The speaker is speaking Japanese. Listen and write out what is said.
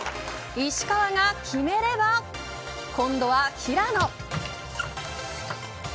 石川が決めれば今度は平野。